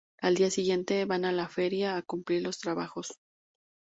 Al día siguiente, van a la feria a cumplir los trabajos.